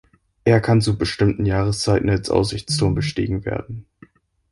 Er kann zu bestimmten Jahreszeiten als Aussichtsturm bestiegen werden.